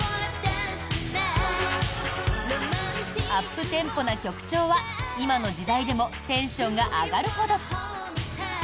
アップテンポな曲調は今の時代でもテンションが上がるほど。